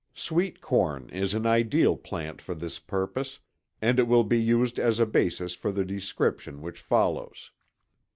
Sweet corn is an ideal plant for this purpose, and it will be used as a basis for the description which follows.